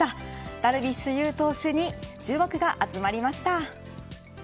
ダルビッシュ有投手に注目が集まりました。